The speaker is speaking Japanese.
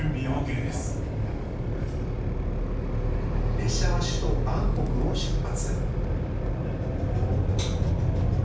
列車は首都バンコクを出発。